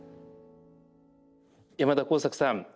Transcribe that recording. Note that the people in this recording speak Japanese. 山田耕作さん。